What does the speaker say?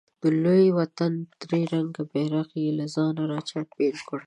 د لوی وطن درې رنګه ملي بیرغ یې له ځانه راچاپېر کړ.